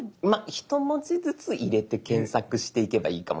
一文字ずつ入れて検索していけばいいかもしれないです。